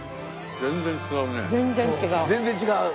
全然違う。